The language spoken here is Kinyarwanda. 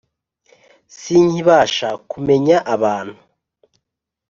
sinkibasha kumenya abantu.